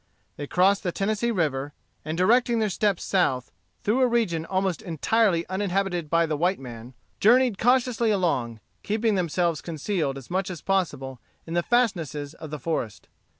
They crossed the Tennessee River, and directing their steps south, through a region almost entirely uninhabited by white men, journeyed cautiously along, keeping themselves concealed as much as possible in the fastnesses of the forest.